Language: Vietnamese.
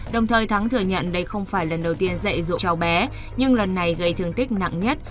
đồng thời thắng thừa nhận đây không phải lần đầu tiên dạy dỗ cháu bé nhưng lần này gây thương tích nặng nhất